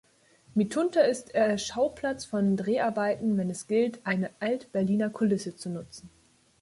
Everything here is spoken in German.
Mitunter ist er Schauplatz von Dreharbeiten wenn es gilt, eine Alt-Berliner Kulisse zu nutzen.